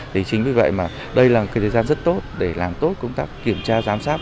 thì chính vì vậy mà đây là thời gian rất tốt để làm tốt công tác kiểm tra giám sát